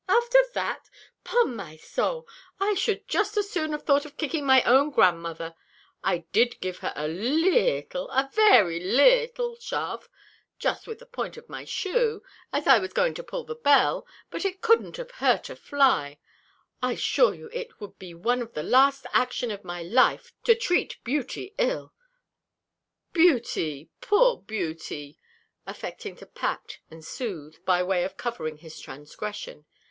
after that! 'Pon my soul, I should just as soon have thought of kicking my own grandmother. I did give her a leettle a very leettle shove, just with the point of my toe, as I was going to pull the bell; but it couldn't have hurt a fly. I assure you it would be one of the last action of my life to treat Beauty ill Beauty! poor Beauty!" affecting to pat and soothe, by way of covering his transgression.